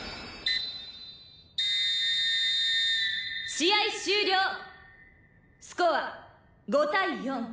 「試合終了」「スコア５対４」